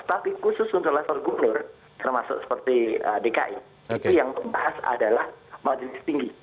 tapi khusus untuk level gubernur termasuk seperti dki itu yang membahas adalah majelis tinggi